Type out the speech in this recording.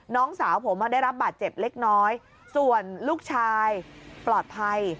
น้องสาวผมได้รับบาดเจ็บเล็กน้อยส่วนลูกชายปลอดภัย